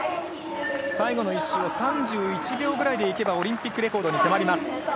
最後の１周を３１秒ぐらいでいけばオリンピックレコードに迫ります。